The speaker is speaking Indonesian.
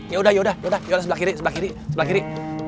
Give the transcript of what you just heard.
ya udah yaudah sebelah kiri sebelah kiri sebelah kiri